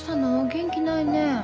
元気ないね。